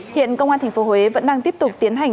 hiện công an tp huế vẫn đang tiếp tục tiến hành